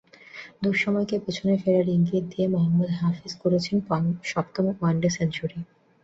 দুঃসময়কে পেছনে ফেরার ইঙ্গিত দিয়ে মোহাম্মদ হাফিজ করেছেন সপ্তম ওয়ানডে সেঞ্চুরি।